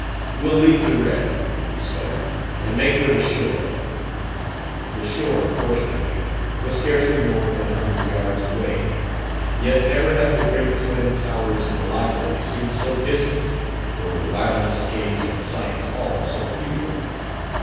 "We'll leave the wreck," he spluttered, "and make for the shore." The shore, fortunately, was scarcely more than a hundred yards away, yet never had the great twin towers of the library seemed so distant or the wireless cage on Science hall so futile.